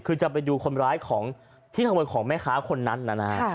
คือจะไปดูคนร้ายที่ขโมยของแม่ขาคนนั้น